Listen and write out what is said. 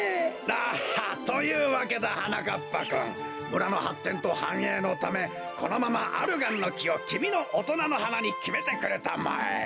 だはっ！というわけだはなかっぱくん村のはってんとはんえいのためこのままアルガンのきをきみのおとなのはなにきめてくれたまえ。